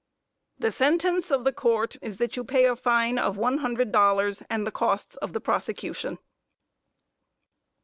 The sentence of the Court is that you pay a fine of one hundred dollars and the costs of the prosecution.